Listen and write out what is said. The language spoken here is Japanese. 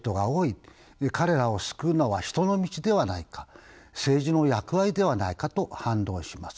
彼らを救うのは人の道ではないか政治の役割ではないか」と反論します。